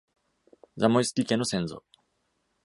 ザモイスキ家の先祖。